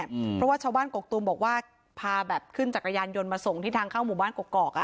เพราะว่าชาวบ้านกกตูมบอกว่าพาแบบขึ้นจักรยานยนต์มาส่งที่ทางเข้าหมู่บ้านกกอกอ่ะ